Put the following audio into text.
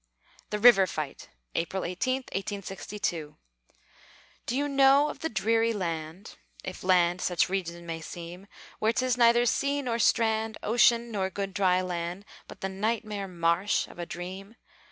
THE RIVER FIGHT [April 18, 1862] Do you know of the dreary land, If land such region may seem, Where 'tis neither sea nor strand, Ocean, nor good, dry land, But the nightmare marsh of a dream?